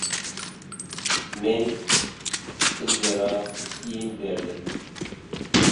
Men sygyra iým berdim.